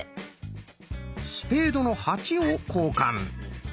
「スペードの８」を交換。